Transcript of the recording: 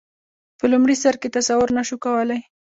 په لومړي سر کې تصور نه شو کولای.